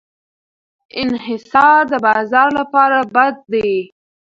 انحصار د بازار لپاره بد دی.